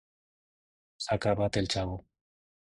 S'ha acabat el xavo!